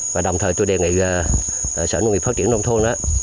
và đồng thời tôi đề nghị sở nông nghiệp phát triển nông thôn